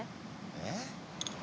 えっ？